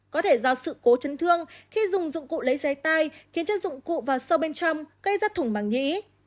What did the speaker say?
có thể do sự cố chấn thương khi dùng dụng cụ lấy xe tay khiến cho dụng cụ vào sâu bên trong gây ra thủng mảng nghĩ